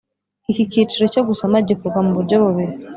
Iki kiciro cyo gusoma gikorwa mu buryo bubiri